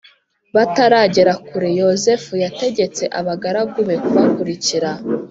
bataragera kure Yozefu yategetse abagaragu be kubakurikira